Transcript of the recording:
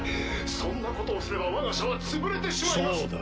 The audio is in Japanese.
そんなことをすれば我が社は潰れてしまいます。